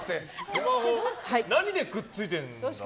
何でくっついてるんですか？